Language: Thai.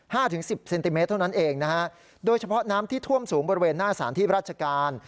ถึงสิบเซนติเมตรเท่านั้นเองนะฮะโดยเฉพาะน้ำที่ท่วมสูงบริเวณหน้าสารที่ราชการ